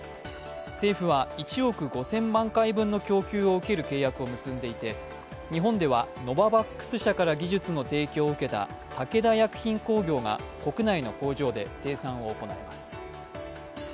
政府は１億５０００万回分の供給を受ける契約を結んでいて、日本ではノババックス社から技術の提供を受けた武田薬品工業が国内の工場で生産を行います。